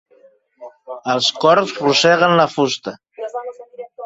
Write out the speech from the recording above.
Els corcs roseguen la fusta.